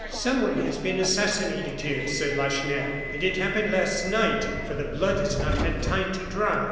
"Someone has been assassinated here," said Lacheneur; "and it happened last night, for the blood has not had time to dry."